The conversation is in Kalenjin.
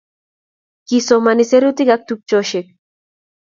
Kisomani serutik ak tupcheshek